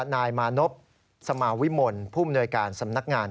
นายมานพสมวิมนศ์ภูมิหน่วยการสำนักงาน